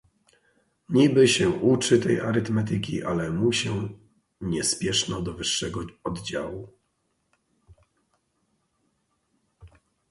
"Niby się uczy tej arytmetyki, ale mu nie spieszno do wyższego oddziału."